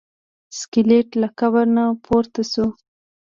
سکلیټ له قبر نه پورته شو.